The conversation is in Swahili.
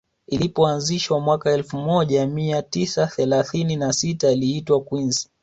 Ilipoanzishwa mwaka elfu moja mia tisa thelathini na sita iliitwa Queens